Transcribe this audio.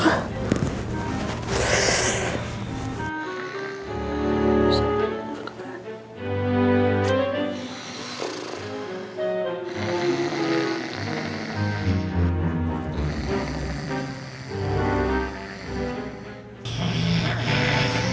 saya tidak bisa tidur neng